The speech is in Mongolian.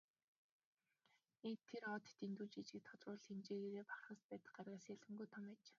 Тэр од нь дэндүү жижиг, тодруулбал хэмжээгээрээ Бархасбадь гаригаас ялимгүй том аж.